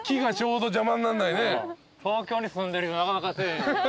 東京に住んでるとなかなかせえへん。